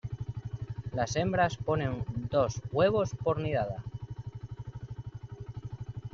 Las hembras ponen dos huevos por nidada.